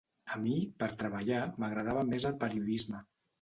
A mi per treballar m’agradava més el periodisme.